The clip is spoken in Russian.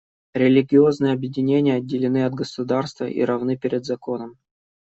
Религиозные объединения отделены от государства и равны перед законом.